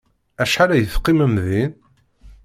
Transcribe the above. Acḥal ay teqqimem din?